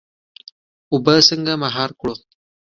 اوبه څنګه مهار کړو؟